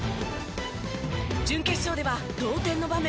準決勝では同点の場面。